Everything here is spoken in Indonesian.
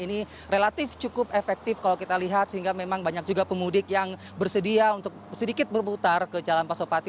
ini relatif cukup efektif kalau kita lihat sehingga memang banyak juga pemudik yang bersedia untuk sedikit berputar ke jalan pasopati